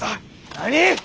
何？